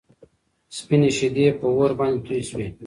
سپينې شيدې په اور باندې توی شوې.